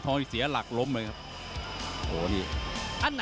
ตรงนี้ศียลักฏรมเลยครับ